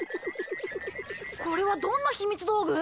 これはどんなひみつ道具？